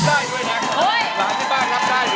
หลานที่บ้านรับทรายด้วย